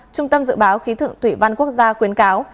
trung tâm dự báo khí tượng thủy văn quốc gia khuyến cáo